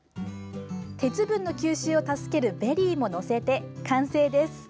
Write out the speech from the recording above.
鉄分の吸収を助けるベリーも載せて、完成です。